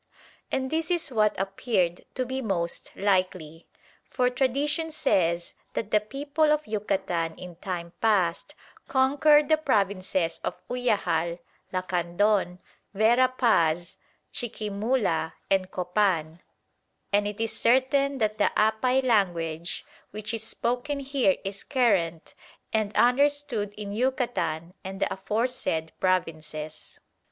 And this is what appeared to be most likely, for tradition says that the people of Yucatan in time past conquered the provinces of Uyajal, Lacandon, Vera Paz, Chiquimula, and Copan, and it is certain that the Apay language which is spoken here is current and understood in Yucatan and the aforesaid provinces.